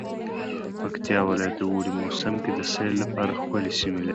پکتيا ولايت د اوړی موسم کی د سیل لپاره ښکلی سیمې لری